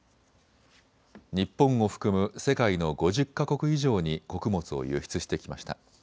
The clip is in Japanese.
日本を含む世界の５０か国以上に穀物を輸出してきました。